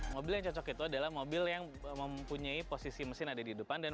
mobil yang cocok itu adalah mobil yang mempunyai posisi mesin ada di depan dan